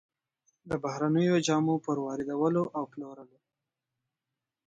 بهرنيو جامو پر واردولو او پلورلو